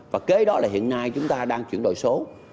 và kế đó là hiện nay chúng ta đang chuyển đổi số